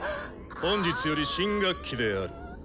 本日より新学期である。